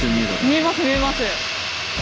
見えます見えます。